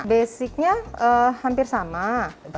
basicnya hampir sama